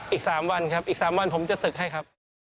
อีก๓วันครับอีก๓วันผมจะศึกให้ครับ